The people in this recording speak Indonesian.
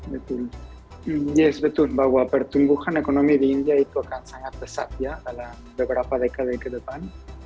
betul yes betul bahwa pertumbuhan ekonomi di india itu akan sangat besar ya dalam beberapa dekade ke depan